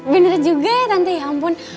bener juga ya tante ya ampun